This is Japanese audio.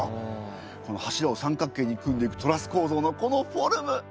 この柱を三角形に組んでいくトラス構造のこのフォルム！